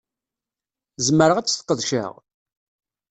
Zemreɣ ad tt-sqedceɣ?